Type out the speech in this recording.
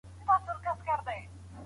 بامیان بې جهیلونو نه دی.